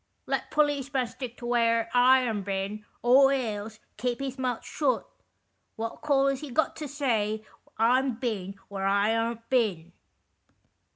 Let policeman stick to where I am bin, or else keep his mouth shut. What call Is he got to say I'm bin where I aren't bin